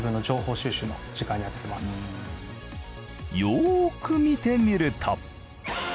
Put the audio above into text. よーく見てみると。